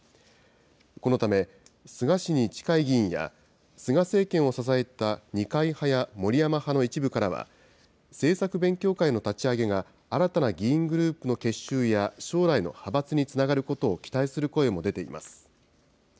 このため、菅氏に近い議員や、菅政権を支えた二階派や森山派の一部からは、政策勉強会の立ち上げが、新たな議員グループの結集や将来の派閥につながることを期待する声も出ています。